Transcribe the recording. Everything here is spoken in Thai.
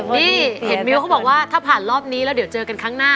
นี่เห็นมิ้วเขาบอกว่าถ้าผ่านรอบนี้แล้วเดี๋ยวเจอกันครั้งหน้า